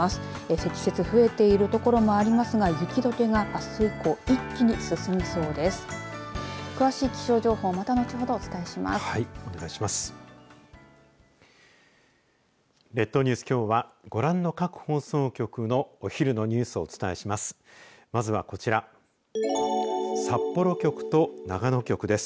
積雪増えている所もありますが雪どけがあす以降、一気に進みそうです。